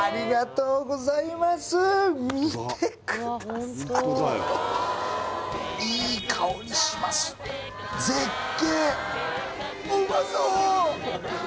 うまそう